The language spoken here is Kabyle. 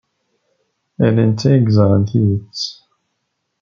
Ala netta ay yeẓran tidet.